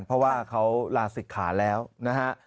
เพราะว่าเขาลาศิกขาแล้วนะฮะ